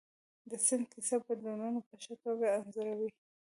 د سیند کیسه بدلونونه په ښه توګه انځوروي.